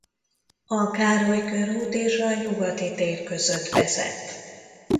A Károly körút és a Nyugati tér között vezet.